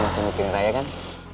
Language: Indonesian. masih nungguin raya kan